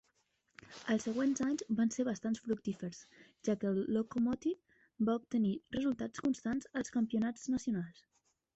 Els següents anys van ser bastant fructífers ja que el Lokomotiv va obtenir resultats constants als campionats nacionals.